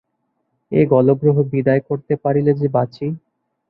এ গলগ্রহ বিদায় করিতে পারিলে যে বাঁচি।